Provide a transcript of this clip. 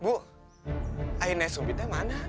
bu air nek sumbi mana